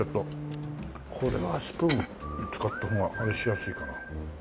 これはスプーン使った方があれしやすいかな。